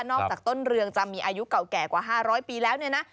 จากต้นเรืองจะมีอายุเก่าแก่กว่า๕๐๐ปีแล้วเนี่ยนะ